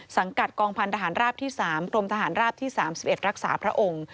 สังกัดกองพันธหารราบที่๓กรมทหารราบที่๓๑รักษาพระองค์